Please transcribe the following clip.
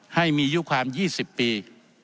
ให้มีอายุความ๒๐ปี